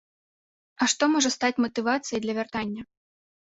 А што можа стаць матывацыяй для вяртання?